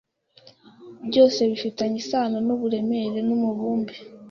byose bifitanye isano n'uburemere numubumbe